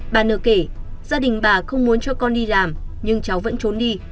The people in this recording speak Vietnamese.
bà nữa kể gia đình bà không muốn cho con đi làm nhưng cháu vẫn trốn đi